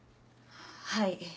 はい。